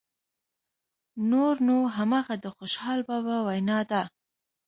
نور نو همغه د خوشحال بابا وینا ده.